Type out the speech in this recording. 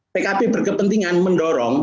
pkp berkepentingan mendorong